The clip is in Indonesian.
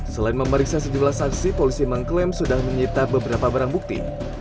selain memeriksa sejumlah saksi polisi mengklaim sudah menyita beberapa barang bukti